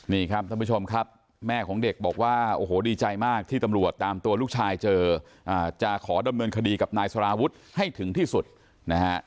นี่ครับท่านผู้ชมครับแม่ของเด็กบอกว่าโอ้โหดีใจมากที่ตำรวจตามตัวลูกชายเจอจะขอดำเนินคดีกับนายสารวุฒิให้ถึงที่สุดนะฮะ